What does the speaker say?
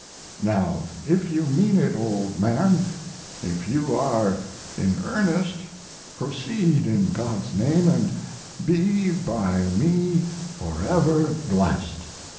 Now, if you mean it, old man if you are in earnest proceed, in God's name, and be by me forever blessed.